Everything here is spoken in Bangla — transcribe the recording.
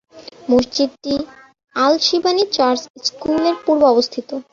মসজিদটি আল-শিবানী চার্চ-স্কুলের পূর্বে অবস্থিত।